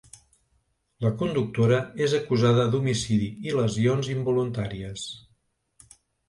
La conductora és acusada ‘d’homicidi i lesions involuntàries’.